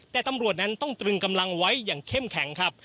แต่ตำรวจนั้นต้องตรึงกำลังไว้อย่างเข้มแข็งครับ